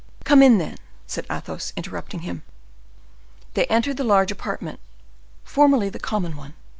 "Come in, then," said Athos, interrupting him. They entered the large apartment, formerly the common one.